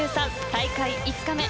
大会５日目。